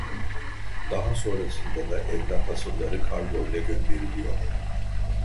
Daha sonrasında da evrak asılları kargoyla gönderiliyor